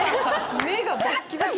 目がバッキバキ！